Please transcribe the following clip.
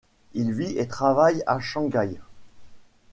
Il vit et travaille à Shanghai.